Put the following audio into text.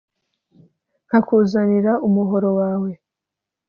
nkakuzanira umuhoro wawe »